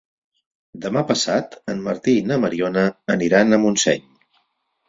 Demà passat en Martí i na Mariona aniran a Montseny.